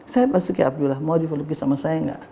saya ke basuki abdullah mau diva lukis sama saya gak